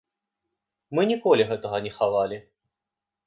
Мы ніколі гэтага не хавалі.